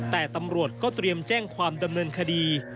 แต่ตำรวจก็เตรียมแจ้งความดำเนินคดี